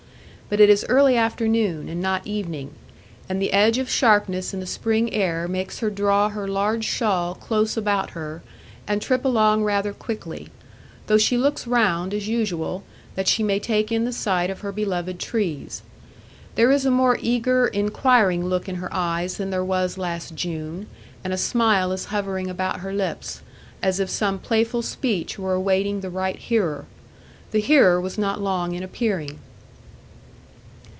But it is early afternoon and not evening, and the edge of sharpness in the spring air makes her draw her large shawl close about her and trip along rather quickly; though she looks round, as usual, that she may take in the sight of her beloved trees. There is a more eager, inquiring look in her eyes than there was last June, and a smile is hovering about her lips, as if some playful speech were awaiting the right hearer. The hearer was not long in appearing.